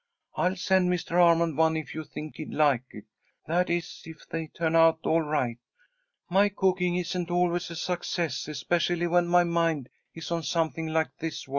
I'll send Mr. Armond one if you think he'd like it. That is, if they turn out all right. My cooking isn't always a success, especially when my mind is on something like this work."